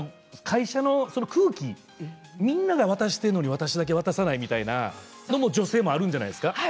会社の空気みんなが渡しているのに私だけ渡さないみたいなそういうのもあるんじゃないですか？